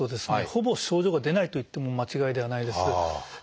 ほぼ症状が出ないといっても間違いではないです。